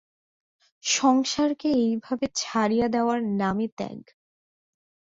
সংসারকে এইভাবে ছাড়িয়া দেওয়ার নামই ত্যাগ।